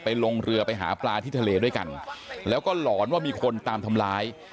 ลงเรือไปหาปลาที่ทะเลด้วยกันแล้วก็หลอนว่ามีคนตามทำร้าย